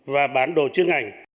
và bản đồ chương ngành